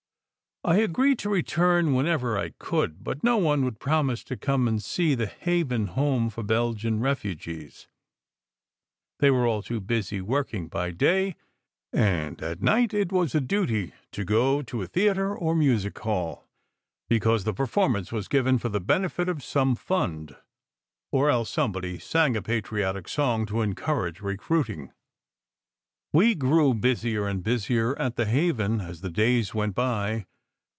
I agreed to return whenever I could, but no one would promise to come and see the "Haven Home for Belgian Refugees." They were all too busy working, by day; and 260 SECRET HISTORY at night it was a duty to go to a theatre or music hall, because the performance was given for the benefit of some fund, or else somebody sang a patriotic song to encourage recruiting. We grew busier and busier at "The Haven" as the days went by.